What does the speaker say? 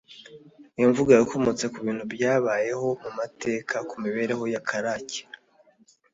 iyi mvugo yakomotse ku bintu byabayeho mu mateka (ku mibereho ya karake).